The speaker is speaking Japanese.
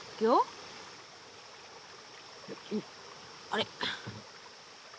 あれ。